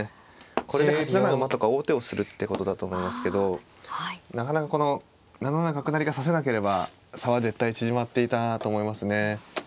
これで８七馬とか王手をするってことだと思いますけどなかなかこの７七角成が指せなければ差は絶対縮まっていたと思いますね。